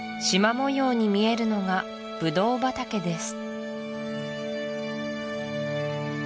模様に見えるのがブドウ畑です